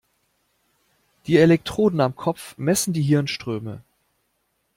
Die Elektroden am Kopf messen die Hirnströme.